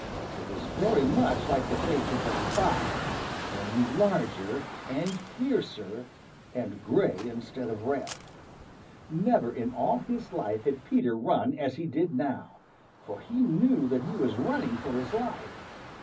It was very much like the face of Reddy Fox, only larger and fiercer and gray instead of red. Never in all his life had Peter run as he did now, for he knew that he was running for his life.